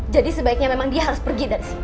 jadi sebaiknya memang dia harus pergi dari sini